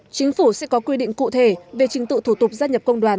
chính phủ sẽ có quy định cụ thể về trình tự thủ tục gia nhập công đoàn